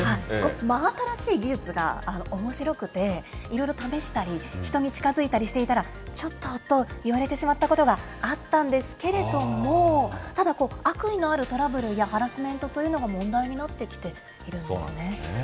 真新しい技術がおもしろくていろいろ試したり、人に近づいたりしていたら、ちょっとと言われてしまったことがあったんですけれども、ただ、悪意のあるトラブルやハラスメントというのが問題になってきていそうなんですね。